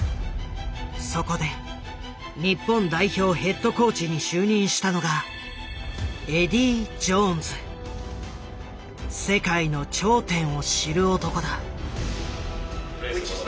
そこで日本代表ヘッドコーチに就任したのが世界の頂点を知る男だ。